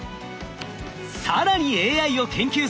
更にＡＩを研究すれば